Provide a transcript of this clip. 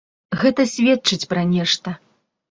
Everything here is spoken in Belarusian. Гэта сведчыць пра нешта.